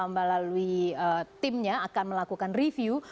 melalui timnya akan melakukan review